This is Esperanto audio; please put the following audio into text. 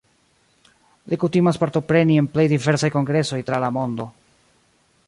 Li kutimas partopreni en plej diversaj kongresoj tra la mondo.